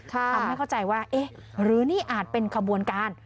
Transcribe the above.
ทำให้เข้าใจว่าเอ๊ะหรือนี่อาจเป็นขบวนการ